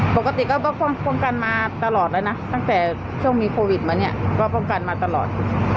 ปกติก็ป้องกันมาตลอดแล้วนะตั้งแต่ช่วงมีโควิดมาเนี่ยก็ป้องกันมาตลอด